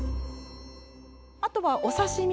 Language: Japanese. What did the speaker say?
あとはお刺身。